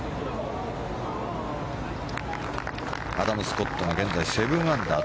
アダム・スコットが現在、７アンダー。